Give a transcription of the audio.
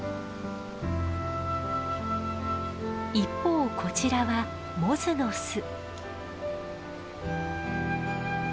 一方こちらはモズの巣。